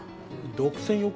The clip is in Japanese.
独占欲？